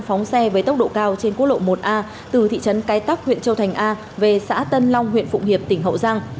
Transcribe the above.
phóng xe với tốc độ cao trên quốc lộ một a từ thị trấn cái tắc huyện châu thành a về xã tân long huyện phụng hiệp tỉnh hậu giang